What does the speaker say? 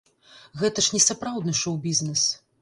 Гэта ж не сапраўдны шоў-бізнес.